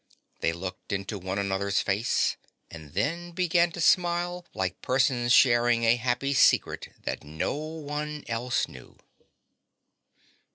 They looked into one another's face and then began to smile like persons sharing a happy secret that no one else knew.